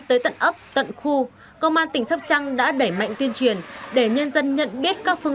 tới tận ấp tận khu công an tỉnh sắp trăng đã đẩy mạnh tuyên truyền để nhân dân nhận biết các phương